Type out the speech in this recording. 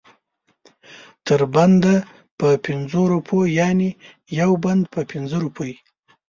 تر بنده په پنځو روپو یعنې یو بند په پنځه روپۍ.